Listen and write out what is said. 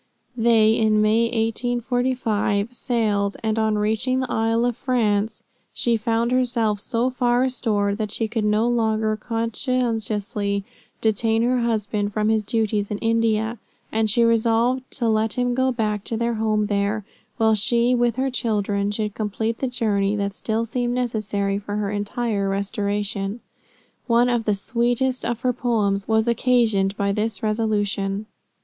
They in May 1845 sailed, and on reaching the Isle of France, she found herself so far restored that she could no longer conscientiously detain her husband from his duties in India, and she resolved to let him go back to their home there, while she with her children, should complete the journey that still seemed necessary for her entire restoration. One of the sweetest of her poems was occasioned by this resolution.